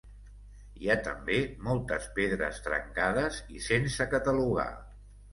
Hi ha també moltes pedres trencades i sense catalogar.